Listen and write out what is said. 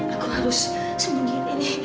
aku harus sembunyi ini